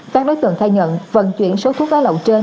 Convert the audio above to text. các đối tượng khai nhận vận chuyển số thuốc lá lậu trên